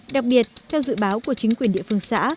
đặc biệt theo dự báo của chính quyền địa phương xã